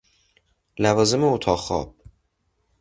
لوازم اتاق خواب